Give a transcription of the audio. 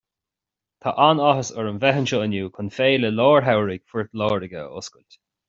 Tá an-áthas orm bheith anseo inniu chun Féile Lár-Shamhraidh Phort Láirge a oscailt.